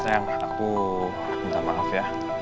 saya aku minta maaf ya